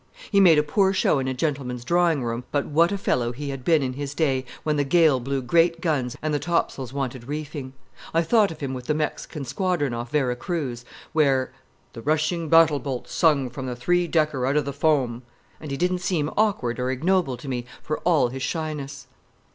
He made a poor show in a gentleman's drawing room, but what a fellow he had been in his day, when the gale blew great guns and the topsails wanted reefing! I thought of him with the Mexican squadron off Vera Cruz, where, 'The rushing battle bolt sung from the three decker out of the foam,' and he didn't seem awkward or ignoble to me, for all his shyness.